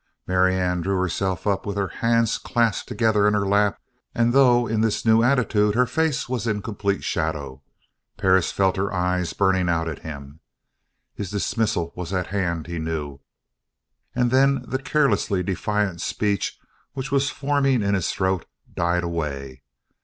Marianne drew herself up with her hands clasped together in her lap and though in this new attitude her face was in complete shadow, Perris felt her eyes burning out at him. His dismissal was at hand, he knew, and then the carelessly defiant speech which was forming in his throat died away.